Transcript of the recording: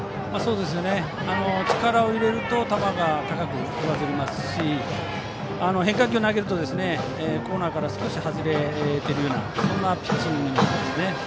力を入れると球が高く上ずりますし変化球投げると、コーナーから少し外れているそんなピッチングになっています。